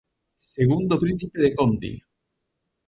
Segundo príncipe de Conti.